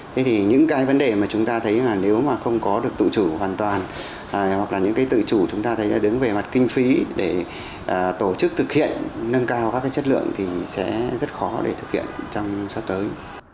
thế thì những cái vấn đề mà chúng ta thấy là nếu mà không có được tự chủ hoàn toàn hoặc là những cái tự chủ chúng ta thấy là đứng về mặt kinh phí để tổ chức thực hiện nâng cao các cái chất lượng thì sẽ rất khó để thực hiện trong sắp tới